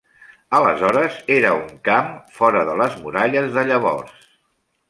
Aleshores era un camp, fora de les muralles de llavors.